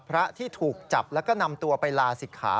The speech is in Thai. พระที่ถูกจับแล้วก็นำตัวไปลาศิกขา